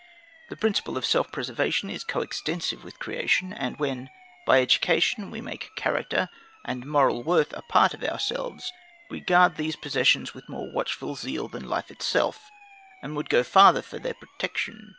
The principle of self preservation is co extensive with creation; and when by education we make character and moral worth a part of ourselves, we guard these possessions with more watchful zeal than life itself, and would go farther for their protection.